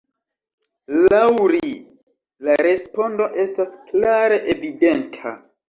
Laŭ ri, la respondo estas klare evidenta!